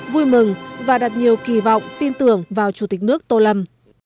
vui mừng và đặt nhiều kỳ vọng tin tưởng vào chủ tịch nước tô lâm